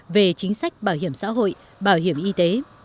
về chính sách bảo hiểm xã hội bảo hiểm y tế